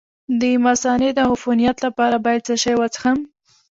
د مثانې د عفونت لپاره باید څه شی وڅښم؟